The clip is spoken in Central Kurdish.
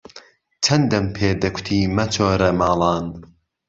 چەندەم پێ دەکوتی مەچۆرە ماڵان